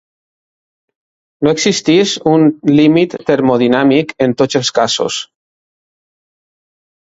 No existeix un límit termodinàmic en tots els casos.